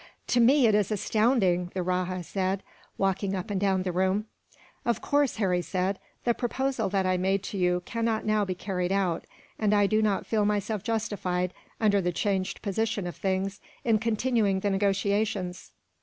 "To me it is astounding!" the rajah said, walking up and down the room. "Of course," Harry said, "the proposal that I made to you cannot now be carried out; and I do not feel myself justified, under the changed position of things, in continuing the negotiations."